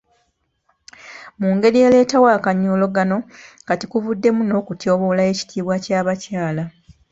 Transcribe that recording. Mu ngeri ereetawo akanyoolagano kati kuvuddemu n'okutyoboola ekitiibwa ky'abakyala.